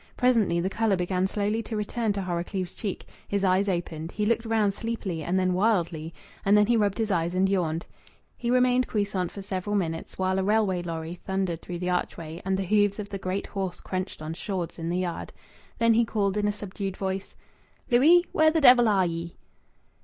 Presently the colour began slowly to return to Horrocleave's cheek; his eyes opened; he looked round sleepily and then wildly; and then he rubbed his eyes and yawned. He remained quiescent for several minutes, while a railway lorry thundered through the archway and the hoofs of the great horse crunched on shawds in the yard. Then he called, in a subdued voice "Louis! Where the devil are ye?"